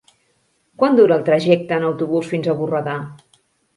Quant dura el trajecte en autobús fins a Borredà?